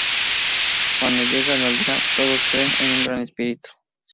Cuando llegan a la aldea, todos creen en un gran espíritu.